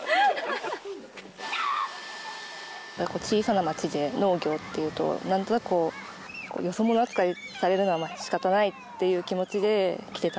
小さな町で農業っていうとなんとなくよそ者扱いされるのは仕方ないっていう気持ちで来てたので。